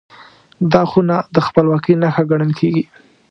دا خونه د خپلواکۍ نښه ګڼل کېږي.